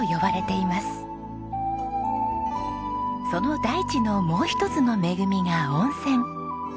その大地のもう一つの恵みが温泉。